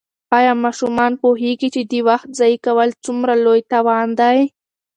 آیا ماشومان پوهېږي چې د وخت ضایع کول څومره لوی تاوان دی؟